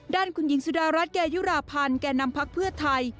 ด้านคุณหญิงสุดารัฐเกยุราพันธ์แก่นำพักเพื่อไทย